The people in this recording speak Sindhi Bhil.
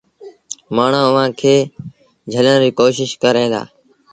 مآڻهوٚݩ اُئآݩ کي جھلن ري ڪوشيٚش ڪريݩ دآ ۔